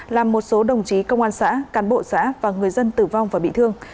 làm một số đồng chí công an xã cán bộ xã và người dân tử vong và bị thương